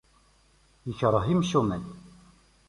Ikreh imcumen.